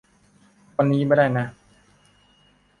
วันนี้ไม่ได้นะ